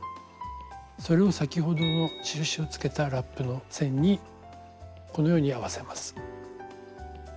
それを先ほどの印をつけたラップの線にこのように合わせます。